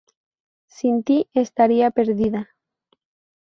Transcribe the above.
Sin ti estaría perdida"".